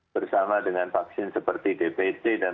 bersama dengan vaksin seperti dpt dan